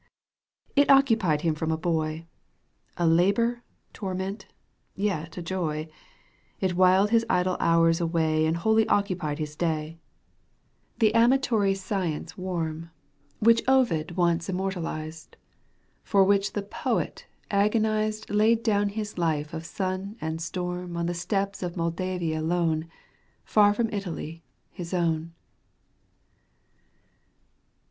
It occupied him from a boy, A labour, torment, yet a joy. It whiled his idle hours away And wholly occupied his day —, The amatory science warm. Digitized by VjOOQ 1С 1 EUGENE ONEGUINE. canto г. Which Ovid once immortalized, For which the poet agonized Laid down his life of sun and storm On the steppes of Moldavia lone, Far from his Italy — ^his own."